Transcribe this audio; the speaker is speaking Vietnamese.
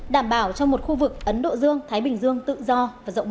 đảm bảo cho một khu vực ấn độ dương thái bình dương tự do và rộng mở